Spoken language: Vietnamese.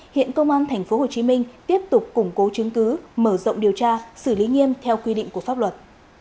hiện công an tp hcm tiếp tục củng cố chứng cứ mở rộng điều tra xử lý nghiêm theo quy định của pháp luật